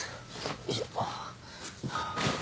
よいしょ。